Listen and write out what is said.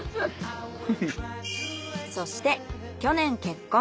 そして去年結婚。